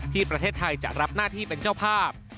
ที่ประเทศไทยจะรับหน้าที่เป็นเจ้าภาพ